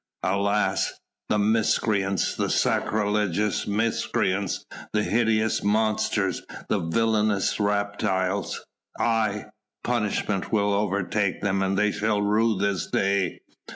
"Alas!" "The miscreants! the sacrilegious miscreants! the hideous monsters! the villainous reptiles! Aye! punishment will overtake them; they shall rue this day!